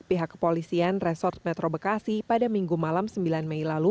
pihak kepolisian resort metro bekasi pada minggu malam sembilan mei lalu